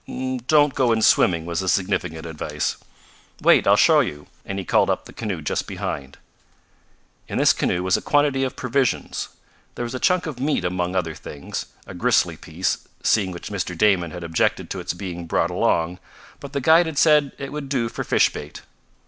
"Don't go in swimming," was the significant advice. "Wait, I'll show you," and he called up the canoe just behind. In this canoe was a quantity of provisions. There was a chunk of meat among other things, a gristly piece, seeing which Mr. Damon had objected to its being brought along, but the guide had said it would do for fish bait.